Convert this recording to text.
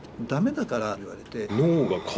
駄目だから言われて。